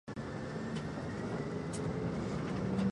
他们认为这个地方是纪念长期迫害的适当地点。